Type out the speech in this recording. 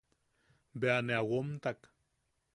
Bea ne a womtak.